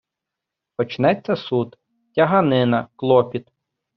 Почнеться суд, тяганина, клопіт.